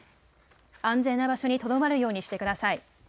安全な場所にとどまるようにしてください。